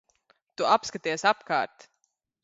Tu apskaties apkārt.